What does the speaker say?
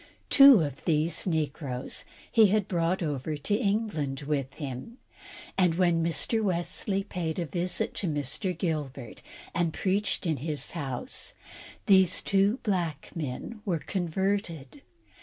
Two of these negroes he had brought over to England with him, and when Mr. Wesley paid a visit to Mr. Gilbert, and preached in his house, these two black men were converted.